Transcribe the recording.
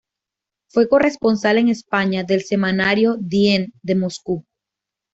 Fue corresponsal en España del semanario "Dien" de Moscú.